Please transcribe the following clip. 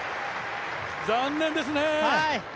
残念ですね。